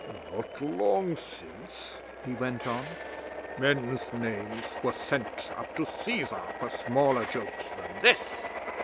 '"Not long since," he went on, "men's names were sent up to Cæsar for smaller jokes than this."